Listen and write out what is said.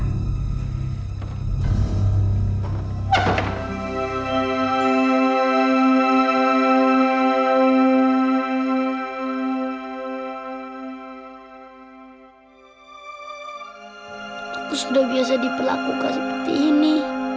aku sudah biasa diperlakukan seperti ini